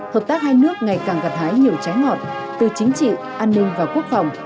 hợp tác hai nước ngày càng gặt hái nhiều trái ngọt từ chính trị an ninh và quốc phòng